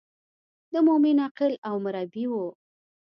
د مومن عقل او مربي و.